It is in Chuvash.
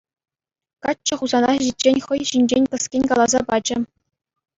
Каччӑ Хусана ҫитиччен хӑй ҫинчен кӗскен каласа пачӗ.